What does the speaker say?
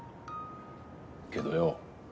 けどよ